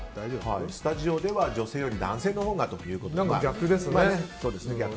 スタジオでは女性より男性のほうがということですね。